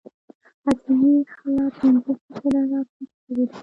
اعظمي خلا پنځه فیصده ټاکل شوې ده